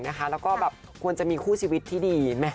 แล้วก็แบบควรจะมีคู่ชีวิตที่ดี